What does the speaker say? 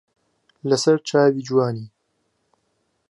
لە سەر چاوی جوانی